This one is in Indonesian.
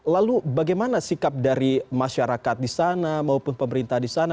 lalu bagaimana sikap dari masyarakat di sana maupun pemerintah di sana